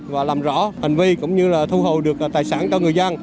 và làm rõ hành vi cũng như là thu hồi được tài sản cho người dân